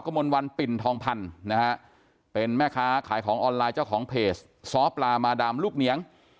กมลวันปิ่นทองพันธ์เป็นแม่ค้าขายของออนไลน์เจ้าของเพจสปลามาดำลูกเหนียง